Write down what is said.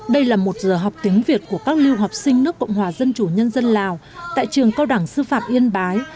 đây là một giờ học tiếng việt của các lưu học sinh nước cộng hòa dân chủ nhân dân lào tại trường cao đẳng sư phạm yên bái